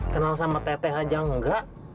kenal sama teh teh aja nggak